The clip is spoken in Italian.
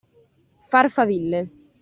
Far faville.